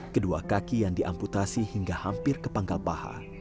kedua kaki yang diamputasi hingga hampir ke pangkal paha